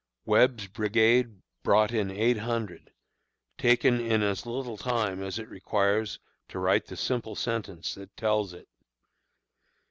Webb's brigade brought in eight hundred: taken in as little time as it requires to write the simple sentence that tells it.